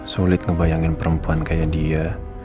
sulit ngebayangin perempuan kayak dia